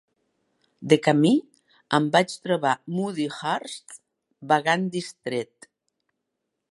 De camí em vaig trobar Moody Hurst vagant distret.